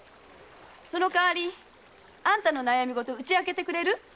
その代わりあんたの悩みごと打ち明けてくれる？